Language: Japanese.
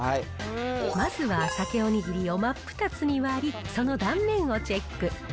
まずはサケお握りを真っ二つに割り、その断面をチェック。